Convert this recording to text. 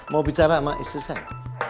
mau bicara sama istri saya